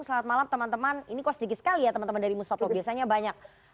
selamat malam teman teman ini kok sedikit sekali ya teman teman dari mustopo biasanya banyak